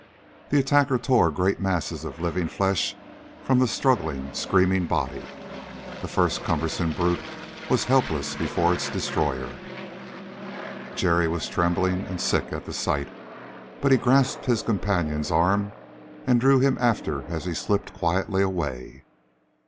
The attacker tore great masses of living flesh from the struggling, screaming body. The first cumbersome brute was helpless before its destroyer. Jerry was trembling and sick at the sight, but he grasped his companion's arm and drew him after as he slipped quietly away.